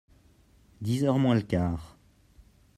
Dix heures moins le quart.